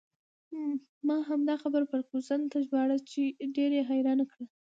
ما همدا خبره فرګوسن ته ژباړله چې ډېر یې حیرانه کړه.